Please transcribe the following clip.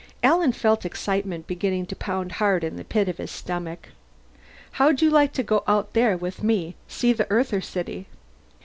Alan felt excitement beginning to pound hard in the pit of his stomach. "How'd you like to go outside there with me? See the Earther city?"